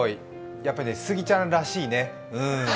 やっぱりスギちゃんらしいね。